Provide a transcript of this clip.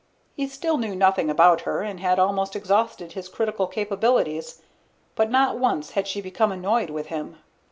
He still knew nothing about her and had almost exhausted his critical capabilities, but not once had she become annoyed with him.